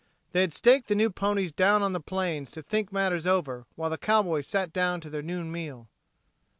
They had staked the new ponies down on the plain to think matters over while the cowboys sat down to their noon meal.